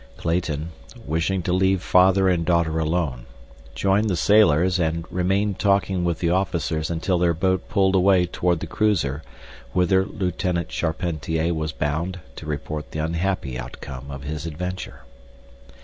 Clayton, wishing to leave father and daughter alone, joined the sailors and remained talking with the officers until their boat pulled away toward the cruiser whither Lieutenant Charpentier was bound to report the unhappy outcome of his adventure.